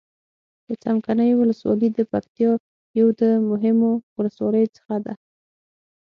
د څمکنيو ولسوالي د پکتيا يو د مهمو ولسواليو څخه ده.